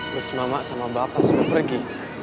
lalu mama sama bapak sudah pergi